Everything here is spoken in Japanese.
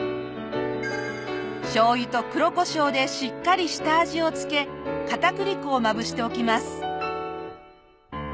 しょうゆと黒胡椒でしっかり下味を付け片栗粉をまぶしておきます。